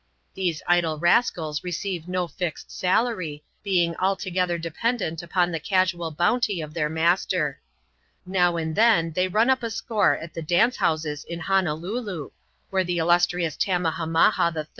These icBe rascals receive no lized salarj, being altc^eiher dependent upon the casual bounty of their master. Now and then thej ran up & score at the dance houses in Honolulu^ where the ittastrious Tammahaminaha HI.